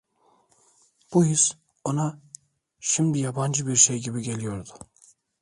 Bu his, ona şimdi yabancı bir şey gibi geliyordu.